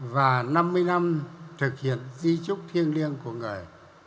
và năm mươi năm thực hiện di trúc thiêng liêng của người